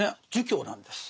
儒教なんです。